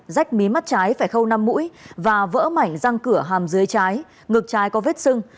rách mí mắt trái phải khâu năm mũi và vỡ mảnh răng cửa hàm dưới trái ngược trái có vết sưng